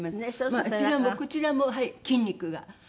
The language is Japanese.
あちらもこちらも筋肉がキュッ！って